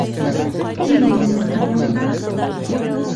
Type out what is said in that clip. Кил, минең Наполеоным!